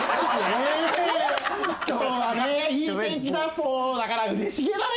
今日はねいい天気だぽだからうれしげだね！